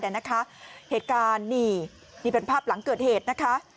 เดี๋ยวนะคะเห็ดการณ์นี่นี่เป็นภาพหลังเกิดเหตุนะคะ